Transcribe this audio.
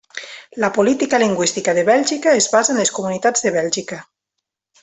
La política lingüística de Bèlgica es basa en les comunitats de Bèlgica.